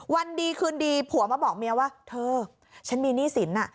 วันดีคืนดีผัวมาบอกเมียว่าเธอฉันมีหนี้สิน